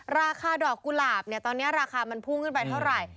ราคาดอกกุหลาบเนี่ยตอนนี้ราคามันพุ่งขึ้นไปเท่าไหร่